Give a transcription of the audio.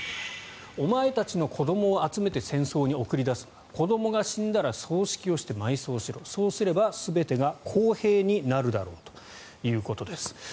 お前たちの子どもを集めて戦争に送り出すのだ子どもが死んだら葬式をして埋葬しろそうすれば全てが公平になるだろうということです。